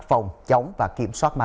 phòng chống và kiểm tra